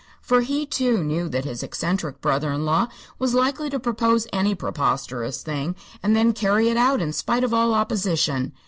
For he, too, knew that his eccentric brother in law was likely to propose any preposterous thing, and then carry it out in spite of all opposition.